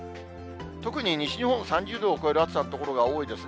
特に西日本３０度を超える暑さの所が多いですね。